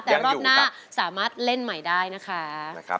แต่รอบหน้าสามารถเล่นใหม่ได้นะคะ